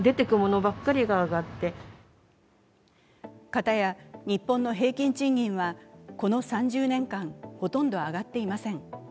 片や日本の平均賃金はこの３０年間ほとんど上がっていません。